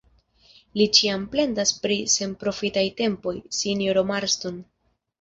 Li ĉiam plendas pri senprofitaj tempoj, sinjoro Marston.